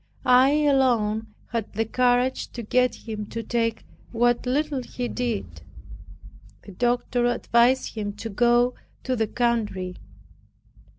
I alone had the courage to get him to take what little he did. The doctor advised him to go to the country.